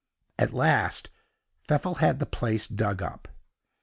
At last, Pfeffel had the place dug up.